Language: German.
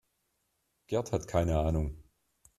Gerd hat keine Ahnung.